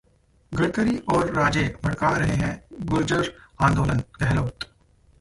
गडकरी और राजे भड़का रहे हैं गुर्जर आंदोलन: गहलोत